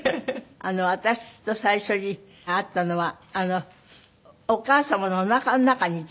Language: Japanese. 私と最初に会ったのはお母様のおなかの中にいた時？